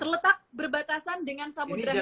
terletak berbatasan dengan samudera hin